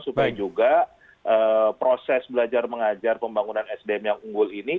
supaya juga proses belajar mengajar pembangunan sdm yang unggul ini